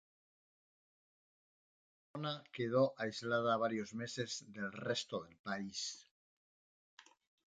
La zona quedó aislada varios meses del resto del país.